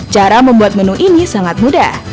cara membuat menu ini sangat mudah